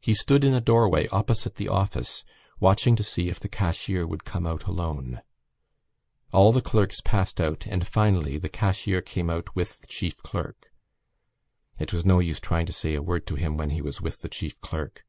He stood in a doorway opposite the office watching to see if the cashier would come out alone. All the clerks passed out and finally the cashier came out with the chief clerk. It was no use trying to say a word to him when he was with the chief clerk.